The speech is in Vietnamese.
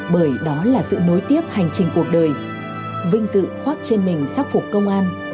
bởi đó là sự nối tiếp hành trình cuộc đời vinh dự khoác trên mình sắc phục công an